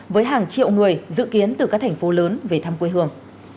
với hàng triệu người dự kiến từ các thành phố lớn về thăm quê hương